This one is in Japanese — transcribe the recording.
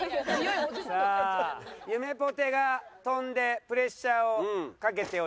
さあゆめぽてが跳んでプレッシャーをかけております。